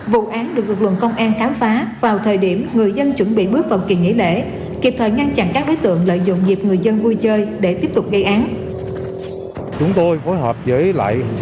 vụ án được lực lượng công an khám phá vào thời điểm người dân chuẩn bị bước vào kỳ nghỉ lễ kịp thời ngăn chặn các đối tượng lợi dụng dịp người dân vui chơi để tiếp tục gây án